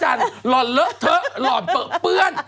หล่อนเลอะเถอะหล่อนเปลือเปื้อน